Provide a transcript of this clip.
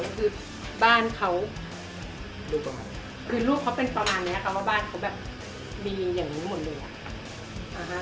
คือบ้านเขาคือลูกเขาเป็นประมาณเนี้ยค่ะว่าบ้านเขาแบบมีอย่างนี้หมดเลยอ่ะ